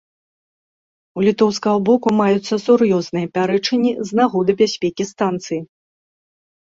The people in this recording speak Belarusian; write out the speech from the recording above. У літоўскага боку маюцца сур'ёзныя пярэчанні з нагоды бяспекі станцыі.